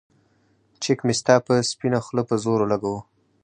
چک مې ستا پۀ سپينه خله پۀ زور اولګوو